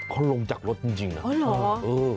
เขาลงจากรถจริงนะเออเออ